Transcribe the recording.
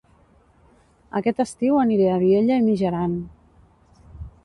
Aquest estiu aniré a Vielha e Mijaran